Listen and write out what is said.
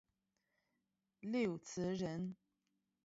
刘词人。